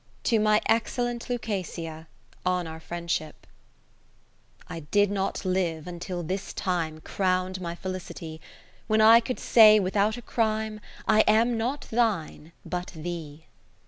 To my Excellent Lucasia, on our Friendship I DID not live until this time Crown'd my felicity, When I could say without a crime, I am not thine, but Thee.